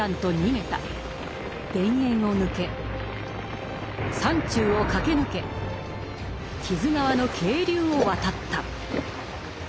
田園を抜け山中を駆け抜け木津川の渓流を渡った。